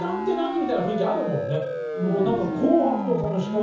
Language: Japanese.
みたいな雰囲気があるもんね。